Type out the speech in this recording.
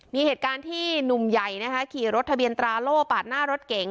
มีเหตุการณ์ที่หนุ่มใหญ่นะคะขี่รถทะเบียนตราโล่ปาดหน้ารถเก๋ง